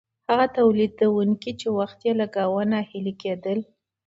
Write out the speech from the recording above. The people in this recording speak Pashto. هغه تولیدونکي چې وخت یې لګاوه ناهیلي کیدل.